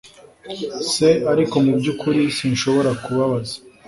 se ariko mubyukuri sinshobora kubabaza